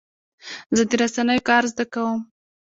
زه د رسنیو کار زده کوم.